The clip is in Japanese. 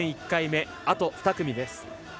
１回目はあと２組です。